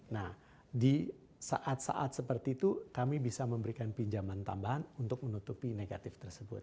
nah di saat saat seperti itu kami bisa memberikan pinjaman tambahan untuk menutupi negatif tersebut